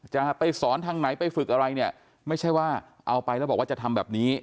จะไปสอนทางไหนไปฝึกอะไรเนี่ยไม่ใช่ว่าเอาไปแล้วบอกว่าจะทำแบบนี้